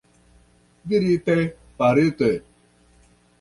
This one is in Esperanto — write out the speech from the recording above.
Dirite, farite.